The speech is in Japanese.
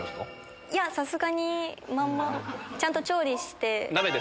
さすがにまんまはちゃんと調理して。